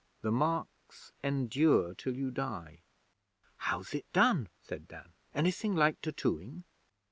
The marks endure till you die.' 'How's it done?' said Dan. 'Anything like tattooing?'